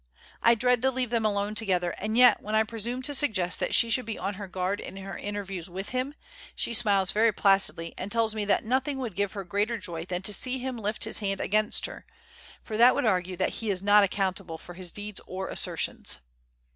I dread to leave them alone together, and yet when I presume to suggest that she should be on her guard in her interviews with him, she smiles very placidly and tells me that nothing would give her greater joy than to see him lift his hand against her, for that would argue that he is not accountable for his deeds or assertions.